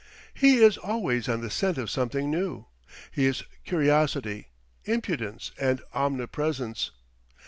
He is always on the scent of something new. He is curiosity, impudence and omnipresence.